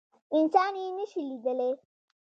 انسان يي نشي لیدلی